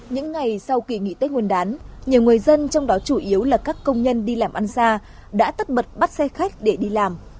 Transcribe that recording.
những ngày sau kỳ nghỉ tết nguyên đán nhiều người dân trong đó chủ yếu là các công nhân đi làm ăn xa đã tất bật bắt xe khách để đi làm